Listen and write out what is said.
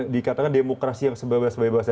dikatakan demokrasi yang sebebas bebasnya